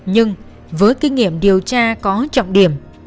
nhưng với kinh nghiệm điều tra có trọng điểm